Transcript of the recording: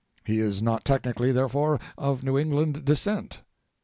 He is not technically, therefore, of New England descent.